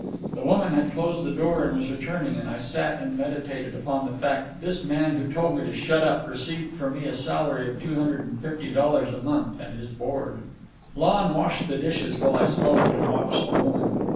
The woman had closed the door and was returning, and I sat and meditated upon the fact that this man who told me to shut up received from me a salary of two hundred and fifty dollars a month and his board. Lon washed the dishes, while I smoked and watched the woman.